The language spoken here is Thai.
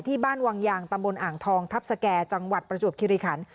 บ้านวังยางตำบลอ่างทองทัพสแก่จังหวัดประจวบคิริขัน